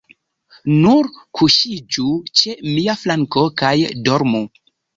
Nur kuŝiĝu ĉe mia flanko kaj dormu.